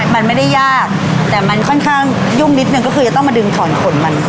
มันไม่ได้ยากแต่มันค่อนข้างยุ่งนิดนึงก็คือจะต้องมาดึงถอนขนมัน